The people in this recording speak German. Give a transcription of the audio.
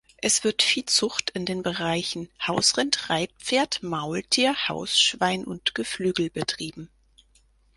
Es wird Viehzucht in den Bereichen Hausrind, Reitpferd, Maultier, Hausschwein und Geflügel betrieben.